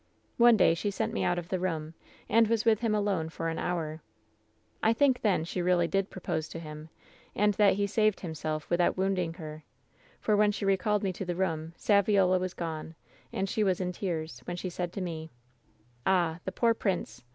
"One day she sent me out of the room, and was with him alone for an hour. I think then she really did pro pose to him, and that he saved himself without wound ing her, for when she recalled me to the room Saviola was gone, and she was in tears, when she said to me :" ^Ah, the poor prince